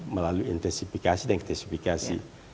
melalui intensifikasi dan intensifikasi